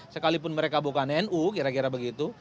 sekalipun mereka bukan nu kira kira begitu